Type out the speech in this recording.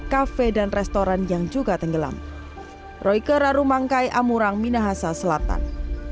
cafe dan restoran yang juga tenggelam roy kerarumangkai amurang minahasa selatan